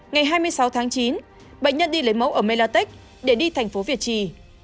ngày hai mươi sáu tháng chín bệnh nhân đi lấy mẫu ở melatech để đi thành phố việt trì